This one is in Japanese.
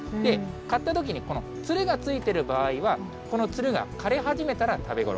買ったときに、つるがついている場合は、このつるが枯れ始めたら食べ頃。